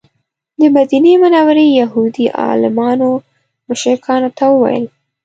د مدینې منورې یهودي عالمانو مشرکانو ته وویل.